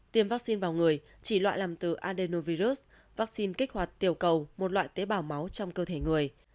tiêm vaccine vào người chỉ loại làm từ adenovirus vaccine kích hoạt tiểu cầu một loại tế bào máu trong cơ thể người